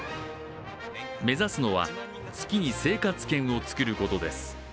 目指すのは、月に生活圏をつくることです。